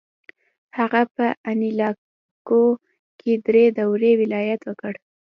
هغه په انیلاکو کې درې دورې ولایت وکړ.